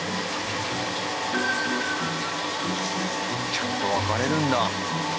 ちゃんと分かれるんだ。